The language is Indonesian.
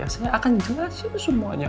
saya akan jelasin semuanya